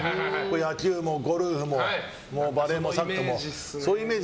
野球もゴルフもバレーもサッカーもそういうイメージ。